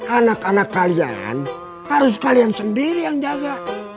anak anak kalian harus kalian sendiri yang jaga